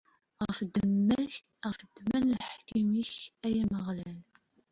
Ɣef ddemma n leḥkem-ik, ay Ameɣlal!